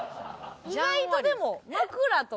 意外とでも枕と。